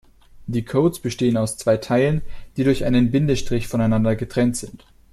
Die Codes bestehen aus zwei Teilen, die durch einen Bindestrich voneinander getrennt sind.